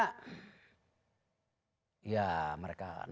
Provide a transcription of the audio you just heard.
saya kira orang asteroid grace ma tense tank tersebut